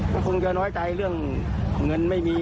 คุณเกลียวน้อยใจเรื่องเงินไม่มี